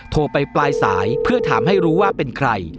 โทรไปปลายสายเพื่อถามให้รู้ว่าเป็นใคร